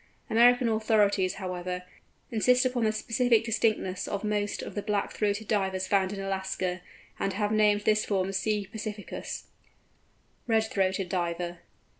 American authorities, however, insist upon the specific distinctness of most of the Black throated Divers found in Alaska, and have named this form C. pacificus. RED THROATED DIVER.